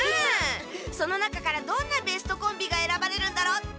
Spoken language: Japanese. その中からどんなベストコンビがえらばれるんだろう？